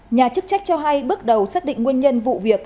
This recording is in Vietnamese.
nhà chức trách cho hay bước đầu xác định nguyên nhân vụ việc